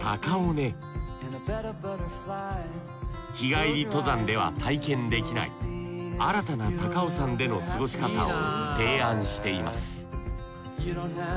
日帰り登山では体験できない新たな高尾山での過ごし方を提案しています